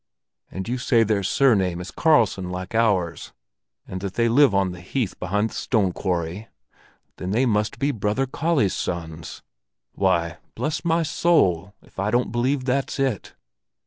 And you say their surname is Karlsson like ours, and that they live on the heath behind the stone quarry? Then they must be brother Kalle's sons! Why, bless my soul, if I don't believe that's it!